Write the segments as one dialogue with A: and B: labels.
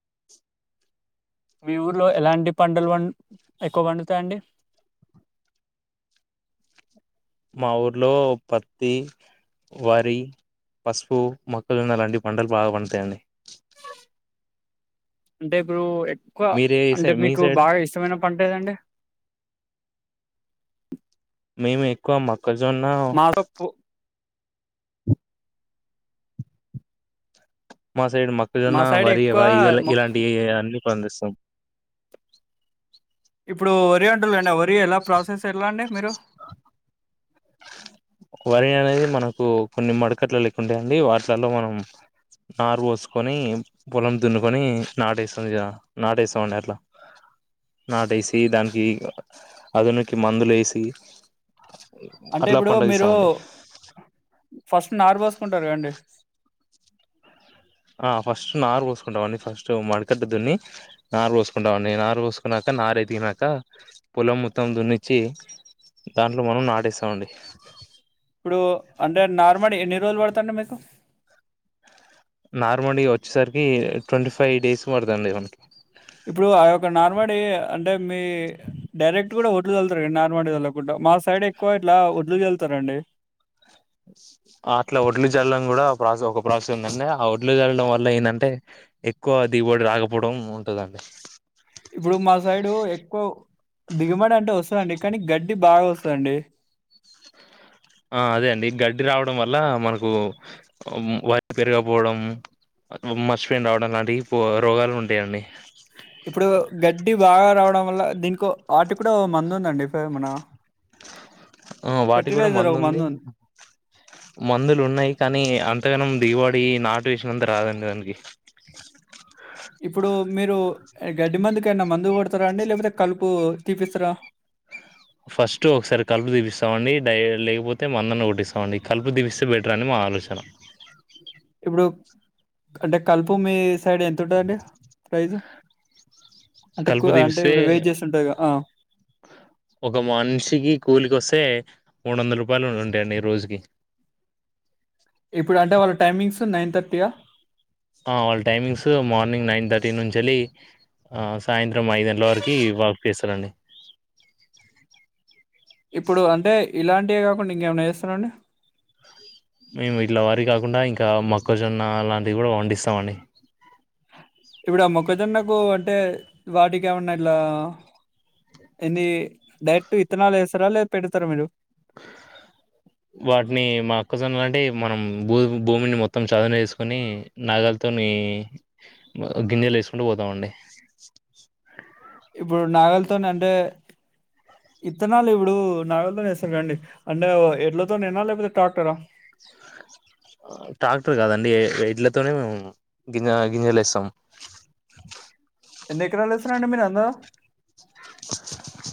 A: [inaudible]
B: మీ ఊర్లో ఏలాంటి పంటలు పం ఎక్కువ పండుతాయండి
A: మా ఊర్లో పత్తి వరి పసుపు మొక్కలున్న అలాంటి పంటలు బాగా పడుతాయండి
B: అంటే ఇప్పుడు ఎ ఇంకా
A: మీరే ఏ సై
B: అంటే
A: మీ
B: మీకు
A: సైడ్
B: బాగా ఇష్టమైన పంట ఏదండి
A: మేము ఎక్కువ మొత్తం మొక్కజొన్న
B: మా తప్పు
A: మా సైడ్
B: మా
A: మొక్కజొన్న
B: సైడ్
A: వరి
B: ఎక్కువ మొ-
A: ఇలాంటి అన్ని పండిస్తాం
B: ఇప్పుడు వరి అంటురు గదండి ఆ వరి ఎలా ప్రాసెస్ ఎట్లా అండి మీరు
A: వరి అనేది మనకు కొన్ని మడుకట్ల లెక్క ఉంటాయండి వాటిలల్లో మనం నారు పోసుకొని పొలం దున్నుకొని నాటేస్తాం నాటేస్తాం అండి అట్లా నాటేసి దానికి అదునికి మందు లేసి అట్లా పండ
B: రు ఫస్ట్ నారు పోసుకుంటారు కద్దండి
A: ఆ ఫస్ట్ నారు పోసుకుంటామండి ఫస్ట్ మడికట్టు దున్ని నారు పోసుకుంటామండి నారు పోసుకున్నాక నారు ఎదిగినాక పొలం మొత్తం దున్నిచ్చి దాంట్లో మనం నాటేస్తామండి
B: ఇప్పుడు అంటే నార్మల్ ఎన్ని రోజులు పడుతదండి మీకు
A: నరుమూడి వచ్చేసరికి ట్వంటీ ఫైవ్ డేస్ పడతదండి మనకి
B: ఇప్పుడు ఆ యొక్క నార్మడీ అంటే మీ డైరెక్ట్ కూడ వడ్లు చల్లుతరండి నార్మడీ చల్లకుండా మా సైడ్ ఎక్కువ ఇట్లా వడ్లు చల్లుతరండి
A: అట్లా వడ్లు చల్లడం కూడా ఒక ప్రాసెస్ ఉందండి ఆ వడ్లు చల్లడం వల్ల ఏదంటే ఎక్కువ దిగుబడి రాకపోవడం ఉంటదండి
B: ఇప్పుడు మా సైడు ఎక్కువ దిగుబడి అంటే వస్తదండి కానీ గడ్డి బాగా వస్తదండి
A: ఆ అదే అండి గడ్డి రావడం వల్ల మనకు వరి పెరగకపోవడం మచ్చ పెన్ రావడం లాంటివి రోగాలు ఉంటాయండి
B: ఇప్పుడు గడ్డి బాగా రావడం వల్ల దీనికో వాటి కూడా మందు ఉందండి పేరు మన
A: ఆ వాటి కూడా
B: ఫెర్టిలైజర్ ఒక
A: ముందుంది
B: మందుంది.
A: మందులు ఉన్నాయి కానీ అంతగానం దిగుబడి ఈ నాటు విషం అంతా రాదండి దానికి
B: ఇప్పుడూ మీరూ ఏ గడ్డి మందుకైనా మందుగొడతారా అండి లేపోతే కలుపు తీపిస్తారా
A: ఫస్ట్ ఒకసారి కలుపు దిపిస్తాంమండి డైలీ లేకపోతే మందన్న కొట్టిస్తామండి కలుపు దిపిస్తే బెటర్ అని మా ఆలోచన
B: ఇప్పుడు అంటే కలుపు మీ సైడ్ ఎంతుంటాదండి ప్రైజు అంటే కు
A: కలుపు
B: అంటే
A: తీపిస్తే
B: ఇప్పుడు వేజెస్ ఉంటాయిగా ఆ
A: ఒక మనిషికి కూలికొస్తే మూడు వందల రూపాయలు ఉంటాయండి ఈ రోజుకి
B: ఇప్పుడు అంటే వాళ్ టైమింగ్స్ నైన్ ధర్టీయా
A: ఆ వాళ్ళ టైమింగ్స్ మార్నింగ్ నైన్ థర్టీ నుంచెల్లి.. ఆ.... సాయంత్రం ఐదు గంటల వరకి వర్క్ చేస్తారండి
B: ఇప్పుడు అంటే ఇలాంటివే కాకుండా ఇంకేమన్నా చేస్తారండి
A: మేము ఇట్లా వరి కాకుండా ఇంకా మొక్కజొన్న అలాంటివి కూడా పండిస్తామండి
B: ఇప్పుడు ఆ మొక్కజొన్నకు అంటే వాటికెమన్నా ఇట్లా ఎన్ని డైరెక్ట్ విత్తనాలు వేస్తారా లేద పెడతారా మీరు
A: వాటిని మక్కజొన్నలంటే మనం భూ భూమిని మొత్తం చదనుచేసుకొని నాగల్తోని గింజలేసుకుంటూపోతామండి
B: ఎప్పుడ్ నాగల్తోనంటే ఇత్తనాలు ఇప్పుడు నాగల్తోనే ఏస్తారుకదండి అంటే ఎడ్లతోనేనా లేపోతే ట్రాక్టరా
A: ట్రాక్టర్ కాదండి ఎడ్లతోనే మేము గింజ గింజలు వేస్తాం
B: ఎన్ని ఎకరాలేస్తారండి మీరు అందరు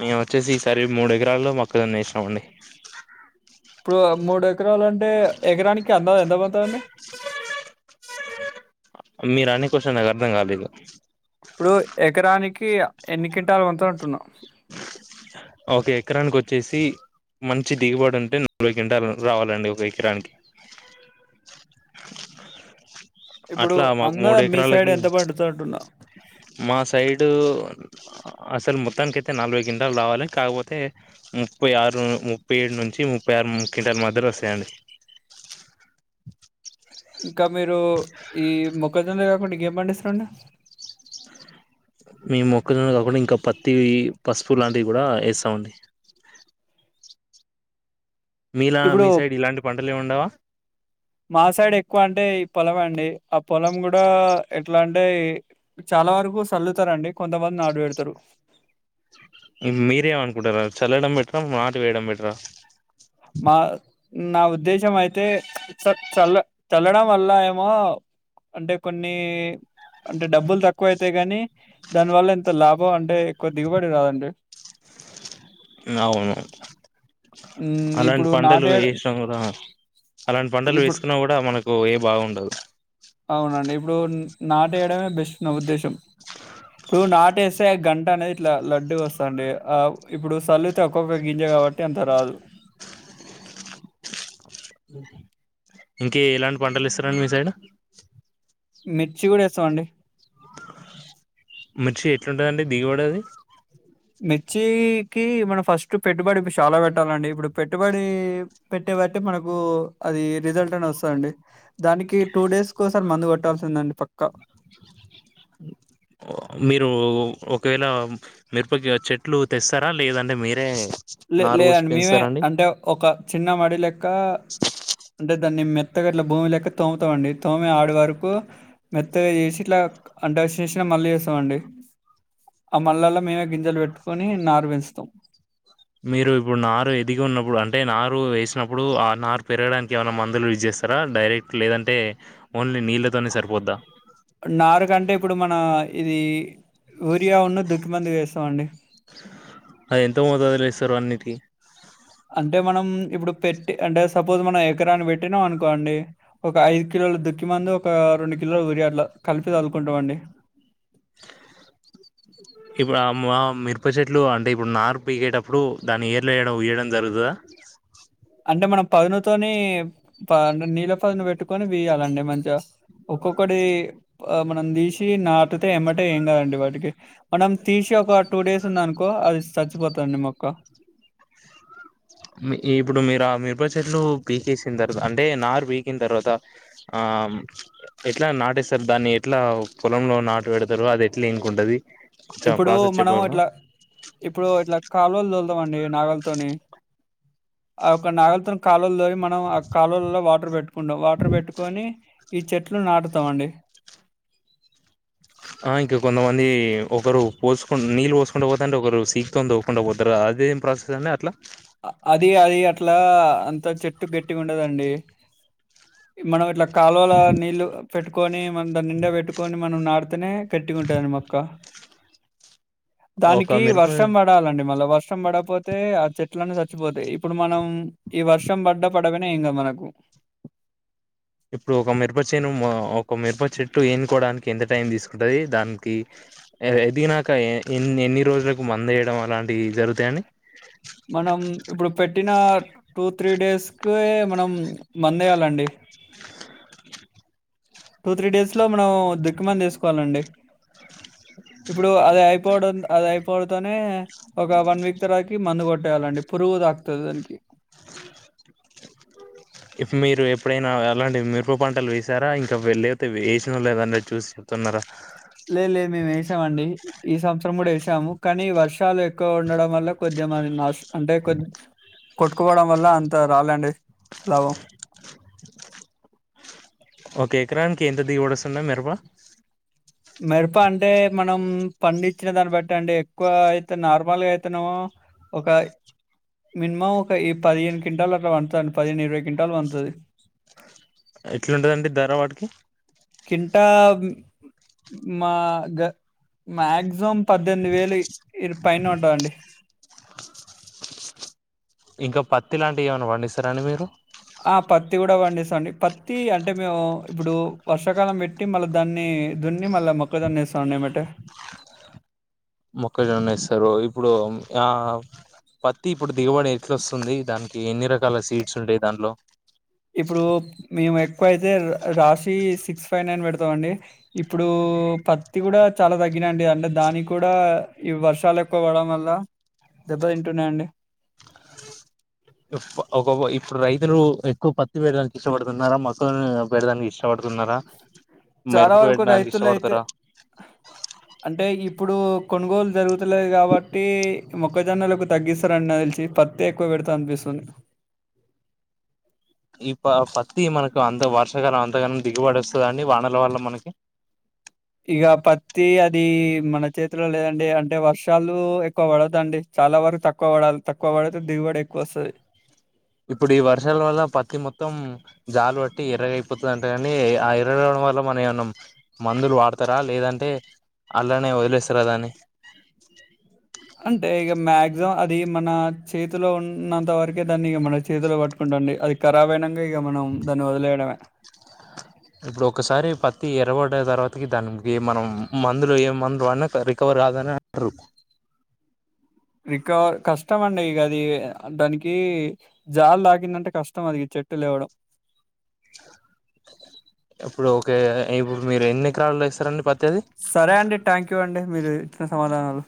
A: మేమొచ్చేసి ఈసారి మూడు ఎకరాల్లో మొక్కజొన్న వేసినామండి
B: ఇప్పుడు మూడు ఎకరాలు అంటే ఎకరానికి అందాస్ ఎంత పడతాడండీ
A: మీరు అనే క్వశ్చన్ నాకు అర్థం కాలేదు
B: ఇప్పుడు ఎకరానికి ఎన్ని కింటాలు వంతు అంటున్నా
A: ఒక ఎకరానికి వచ్చేసి మంచి దిగుబడి ఉంటే నలభై కింటాలు వరకు రావాలండి ఒక ఎకరానికి
B: ఇప్పుడు
A: అట్లా మాకు
B: అందా మీ సైడ్
A: మూడెకరాలకి
B: ఎంత పండుతుంది అంటున్నా
A: మా సైడూ అసలు మొత్తానికైతే నలభై కింటాలు రావాలి కాకపోతే ముప్పైఆరు ముప్పైఏడు నుంచి ముప్పైఆరు మూడు కింటాలు మధ్యలో వస్తాయండి
B: ఇంకా మీరు ఈ మొక్కజొన్న కాకుండా ఇంకేం పండిస్తారండి
A: మేము మొక్కజొన్న కాకుండా ఇంకా పత్తి పసుపు లాంటివి కూడా ఏస్తామండి మీలా
B: ఇప్పుడు
A: మీసైడ్ ఇలాంటి పంటల్ లేం ఉండవా
B: మా సైడ్ ఎక్కువ అంటే పొలమేఅండి ఆ పొలం కూడా ఎట్లా అంటే చాలా వరకు సల్లుతారుండి కొంతమంది నాడు పెడతారు
A: మీరే ఏంఅనుకుంటారూ చల్లడం బెటారా నాటు వేయడం బెటారా
B: మా నా ఉద్దేశం అయితే చ చల్ల చల్లడం వల్ల ఏమో అంటే కొన్ని అంటే డబ్బులు తక్కువైతాయి కాని దానివల్ల ఇంత లాభం అంటే ఎక్కువ దిగుబడి రాదండి
A: అవును
B: మ్మ్
A: అలాంటి
B: ఇప్పుడు
A: పంటలు
B: నాటే
A: వేసాం కదా అలాంటి పంటలు
B: ఇప్పుడు
A: వేసుకున్నా కూడా మనకు ఏం బాగుండదు
B: అవునండి ఇప్పుడు నాటేయడమే బెస్ట్ నా ఉద్దేశం ఇప్పుడు నాటేస్తే గంట అనేది ఇట్లా లడ్డుగొస్తాది వస్తాండి ఆ ఇప్పుడు చల్లితే ఒక్కొక్క గింజ కాబట్టి అంత రాదు
A: ఇంకేలాంటి పంటలు ఏస్తారండి మీ సైడ్
B: మిర్చి కూడా ఏస్తామండి
A: మిర్చి ఎట్లుంటదండి దిగుబడది
B: మిర్చి కి మనం ఫస్ట్ పెట్టుబడిడు చాలా పెట్టాలండి ఇప్పుడు పెట్టుబడి పెట్టే బట్టి మనకు అది రిజల్ట్ అని వస్తుందండి దానికి టూ డేస్ కోసం మందు కొట్టాల్సిందండి పక్కా
A: మీరు ఒకవేళ మిరపకి చెట్లు తెస్తారా లేదంటే మీరే
B: లే
A: నారు పోసి
B: లేదండి మేమే
A: పెంచుతారండి
B: అంటే ఒక చిన్న మడి లెక్క అంటే దాన్ని మెత్త మెత్తగా ఇట్లా భూమి లెక్క తోముతామండి తోమే ఆడి వరకు మెత్తగా చేసి ఇట్లా అంటే చేసిన మళ్ళీ చేస్తామ అండి ఆ మల్లల్లో మేమే గింజలు పెట్టుకొని నారు పెంచుతాం
A: మీరు ఇప్పుడు నారు ఎద్దిగా ఉన్నప్పుడు అంటే నారు వేసినప్పుడు ఆ నారు పెరగడానికి ఏమైనా మందులు యూస్ చేస్తారా డైరెక్ట్ లేదంటే ఓన్లీ నీళ్ళతోనే సరిపోద్దా
B: నారు కంటే ఇప్పుడు ఇది ఊరియా నూ దుక్కిమంది వేస్తామండి
A: అది ఎంత మోతాదులో ఏస్తారు అన్నిటికీ
B: అంటే మనం ఇప్పుడు పెట్టి అంటే సపోజ్ మనం ఎకరాన్ని పెట్టినాం అనుకోండి ఒక ఐదు కిలోలు దుక్కి మందు ఒక రెండు కిలోలు ఉరియాట్లు కలిపి చదుకుంటాం అండి
A: ఇప్పుడు ఆ మా మిరప చెట్లు అంటే ఇప్పుడు నార్ పీగేటప్పుడు దాన్ని ఏర్లు వేయడం ఈయడం జరుగుతదా
B: అంటే మనం పదునుతోని అంటే నీళ్ళ పదును పెట్టుకొని వీయాలండి మంచిగా ఒక్కొక్కటి మనం తీసి నాటుతే ఎమ్మట ఏం కాదండి వాటికి మనం తీసి ఒక టూ డేస్ ఉంది అనుకో అది చచ్చిపోతదండి మొక్క
A: మీ ఇప్పుడు మీరు మిరుప చెట్లు పీకేసిన తర్వాత అంటే నారు పీకిన తర్వాత ఆ ఎట్లా నాటేస్తారు దాన్ని ఎట్లా పొలంలో నాటు పెడతారు అది ఎట్లా ఇంకుంటది కొంచెం
B: ఇప్పుడు
A: ప్రాసెస్
B: మనం
A: చెప్పగలరా
B: ఇట్లా ఇప్పుడు ఇట్లా కాలువలు తో అండి నాగలతోని ఆయొక్క నాగలతోని కాలులు తోరి మనం ఆ కాలులలో వాటర్ పెట్టుకుంటాం వాటర్ పెట్టుకొని ఈ చెట్లు నాటుతామండి
A: ఆ ఇంకా కొంతమంది ఒకరు పోసుకు నీళ్ళు పోసుకుంటూ పోతా అంటే ఒకరు సీక్తో తవ్వుకుంటూ పోతారు అదేం ప్రాసెస్ అండి అట్లా
B: అది అది అట్లా అంత చెట్టు గట్టిగా ఉండదండి మనం ఇట్లా కాలువలో నీళ్ళు పెట్టు కొని మనం దా నిండా పెట్టుకొని మనం నాడుతేనే కట్టిగా ఉంటుంది మొక్క
A: ఒక
B: దానికి
A: మిరప
B: వర్షం పడాలండి మళ్ళ వర్షం పడపోతే ఆ చెట్ ట్లన్నీ చచ్చిపోతాయి ఇప్పుడు మనం ఈ వర్షం పడ్డ పడక పోయిన ఏం కాదు మనకు
A: ఇప్పుడు ఒక మిరప చెను ఒక మిరప చెట్టు ఎన్నకోవడానికి ఎంత టైం తీసుకుంటుంది దానికి ఎదిగినాక ఎ ఎన్ని రోజులకు మందు ఏయడం అలాంటివి జరుగుతాయండి
B: మనం ఇప్పుడు పెట్ పెట్టిన టూ త్రీ డేస్ క మనం మందేయాలండి టూ త్రీ డేస్ లో మనం దుకుమందు వేస్కోవాలండి ఇప్పుడు అది అయిపోవడం అది అయిపోవడతోనే ఒక వన్ వీక్ తరవాత మందు కొట్టేయాలండి పురుగు తాకుతుంది దానికి
A: ఇప్పుడు మీరు ఎప్పుడైనా అలాంటి మిరపు పంటలు వేసారా ఇంకాళ్ లేకపోతే వేసినా లేదన్న చూసి చెప్తున్నారా
B: లే లే మేమువేస్ వేసామండి ఈ సంవత్సరం కూడా వేసాము కానీ వర్షాలు ఎక్కువ ఉండడం వల్ల కొద్దిమరి నస్ అంటే కొంచ కొట్టుకోవడం వల్ల అంత రాలండి లాభం
A: ఓకే ఎకరానికి ఎంత దిగడు వస్తుంది మిరప
B: మిరప అంటే మనం పండిచ్చిన దాన్ని బట్టి అండి ఎక్కువ అయితే నార్మల్గా అయితేనేమో ఒక మినిమం ఒక ఈ పదిహేను క్వింటాలు అట్లా పండుతాది పదిహేను ఇరవై క్వింటాలు పండుతాది
A: ఎట్లాంటాది ధర వాటికి
B: కింటా మా మక్సిమమ్ పద్దెనిమిది వేలు ఇ పైన ఉంటుందండి
A: ఇంకా పత్తి లాంటివి ఏమనా పండిస్తారా అండి మీరు
B: ఆ పత్తి కూడా పండిస్తాం అండి పత్తి అంటే మేము ఇప్పుడు వర్షాకాలం పెట్టి మళ్ళా దాన్ని దున్ని మళ్ళా మొక్కజోన్న వేస్తా మండి ఏమటే
A: మొక్కజొన్న వస్తారు ఇప్పుడు ఆ పత్తి ఇప్పుడు దిగబడి ఎట్ల వస్తుంది దానికి ఎన్ని రకాల సీడ్స్ ఉంటాయి దాంలో
B: ఇప్పుడు మేము ఎక్కువయితే రాశి సిక్స్ ఫైవ్ నైన్ పెడతాంండి ఇప్పుడు పత్తి కూడా చాలా తగ్గినండి అంటే దానికి కూడా ఈ వర్షాలు ఎక్కువ పడడం వల్ల దెబ్బ తింటున్నాయండి
A: ఒక ఇప్పుడు రైతులు ఎక్కువ పత్తి పెడడానికి ఇష్టపడుతున్నారా మొక్కజొన్న పెట్టడాానికి ఇష్టం ఇష్టపడుతున్నారా
B: చాలా
A: మెరుప
B: వరకు
A: పెట్టడానికి
B: రైతులు అయితే
A: ఇష్టపడుతారా
B: అంటే ఇప్పుడు కొనుగోలు జరుగుతులేదు కాబట్టి మొక్కజొన్నలకు తగ్గిస్తారండి తెలిసి పత్తి ఎక్కువ పెడతా అనిపిస్తుంది
A: ఈ ప పత్తి మనకు అంత వర్షాకాలం అంతగానం దిగుబడి వస్తదా అండి వానల వల్ల మనకి
B: ఇక పత్తి అది మన చేతిలో లేదండి అంటే వర్షాలు ఎక్కువ పడదండి చాలా వరకు తక్కువ పడాలి తక్కువ పడ
A: ఇప్పుడు ఈ వర్షాల వల్ల పత్తి మొత్తం జాలుబట్టి ఎర్రగైపోతుందింటే కానీ ఆ ఎర్రగ అయిపోతాది వల్ల మనం ఏమన్నా మందులు వాడతారా లేదంటే అలానే వదిలేస్తారా దాని
B: అంటే ఇక మాక్సిమం అది మన చేతిలో ఉన్నంత వరకే దాన్ని మన చేతిలో పట్టుకుంటాండి అది ఖరాబ్యినక ఇక మనం దాన్ని వదిలేయడమే
A: ఇప్పుడు ఒకసారి పత్తి ఎర్రపడా తర్వాతకి దానికి మనం మందులు ఏ మందులు అన్నా రికవర్ కాదని అంటారు
B: రికవర్ కష్టమ అండి ఇక అది దానికి జాలు తాకిందంటే కష్టం అది చెట్టు లేవడం
A: ఇప్పుడు ఓకే ఇప్పుడు మీరు ఎన్ని ఎకరాలు ఇస్తారడి ప
B: సరే అండి థ్యాంక్ యూ అండి మీరు ఇచ్చిన సమాధానాలు